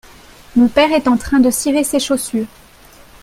mon père est en train de cirer ses chaussures.